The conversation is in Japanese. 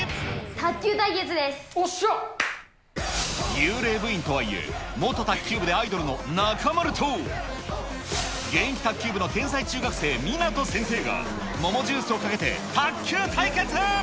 幽霊部員とはいえ、元卓球部でアイドルの中丸と、現役卓球部の天才中学生、湊先生が、桃ジュースをかけて、卓球対決！